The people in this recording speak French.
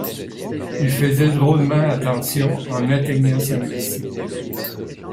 Il faisait drôlement attention en atteignant celui-ci